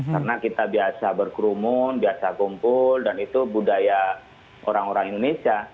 karena kita biasa berkrumun biasa kumpul dan itu budaya orang orang indonesia